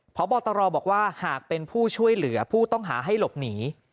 พบตรบอกว่าหากเป็นผู้ช่วยเหลือผู้ต้องหาให้หลบหนี